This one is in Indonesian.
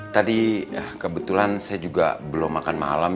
tadi kebetulan saya juga belum makan malam